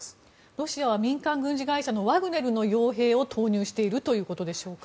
ロシアは民間軍事会社のワグネルの傭兵を投入しているということでしょうか。